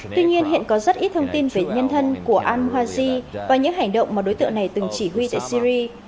tuy nhiên hiện có rất ít thông tin về nhân thân của al muhajir và những hành động mà đối tượng này từng chỉ huy tại syria